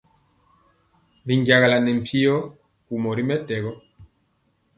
Binjagala ne mpyo kumɔ ri mɛtɛgɔ.